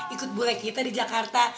ikut boleh kita di jakarta